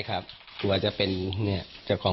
ถ้ามีจริงแล้วก็